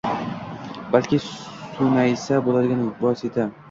balki suyansa bo’ladigan do’st